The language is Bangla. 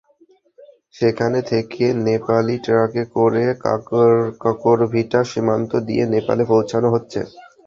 সেখান থেকে নেপালি ট্রাকে করে কাঁকরভিটা সীমান্ত দিয়ে নেপালে পাঠানো হচ্ছে।